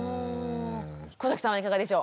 小さんはいかがでしょう？